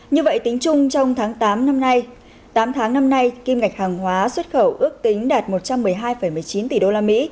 như vậy tính chung trong tháng tám năm nay tám tháng năm nay kim ngạch hàng hóa xuất khẩu ước tính đạt một trăm một mươi hai một mươi chín tỷ đô la mỹ